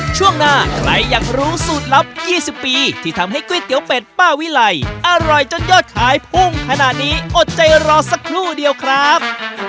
ช่วงหน้าใครอยากรู้สูตรลับ๒๐ปีที่ทำให้ก๋วยเตี๋ยวเป็ดป้าวิไลอร่อยจนยอดขายพุ่งขนาดนี้อดใจรอสักครู่เดียวครับ